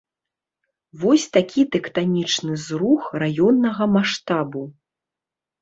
Вось такі тэктанічны зрух раённага маштабу.